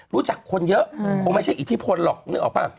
รู้จักคนเยอะคงไม่ใช่อิทธิพลหรอกนึกออกป่ะ